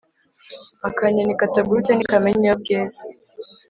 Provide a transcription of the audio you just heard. Akanyoni katagurutse ntikamenya iyo bweze.